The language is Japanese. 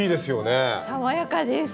爽やかです！